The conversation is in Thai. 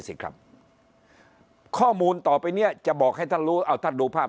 สิครับข้อมูลต่อไปเนี้ยจะบอกให้ท่านรู้เอาท่านดูภาพ